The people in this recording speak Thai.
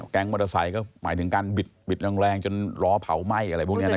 แก๊งมอเตอร์ไซค์ก็หมายถึงการบิดกันแรงจนร้องพาทำไหม้อะไรพวกนี้